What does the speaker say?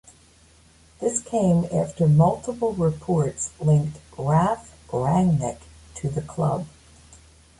This came after multiple reports linked Ralf Rangnick to the club.